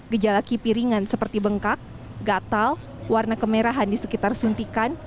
gejala kipi ringan seperti bengkak gatal warna kemerahan di sekitar suntikan